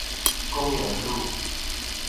公園路